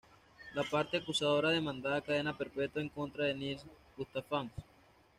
La parte acusadora demandaba cadena perpetua en contra de Nils Gustafsson.